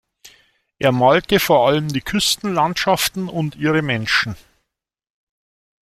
Er malte vor allem die Küstenlandschaften und ihre Menschen.